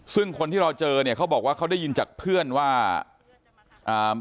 ซึ่งคนที่เราเจอเนี่ยเขาบอกว่าเขาได้ยินจากเพื่อนว่าอ่า